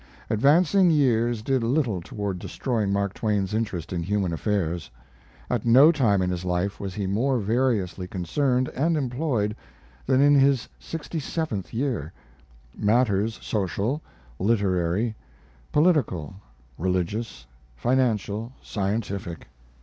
Advancing years did little toward destroying Mark Twain's interest in human affairs. At no time in his life was he more variously concerned and employed than in his sixty seventh year matters social, literary, political, religious, financial, scientific.